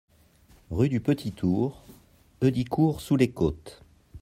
Rue du Petit Tour, Heudicourt-sous-les-Côtes